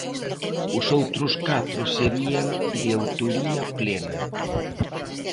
Os outros catro serían de autoría plena.